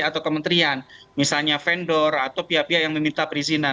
atau kementerian misalnya vendor atau pihak pihak yang meminta perizinan